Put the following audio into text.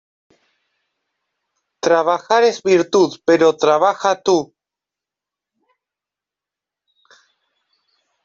Trabajar es virtud; pero trabaja tú.